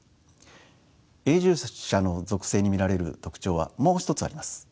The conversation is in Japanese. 永住者の属性に見られる特徴はもう一つあります。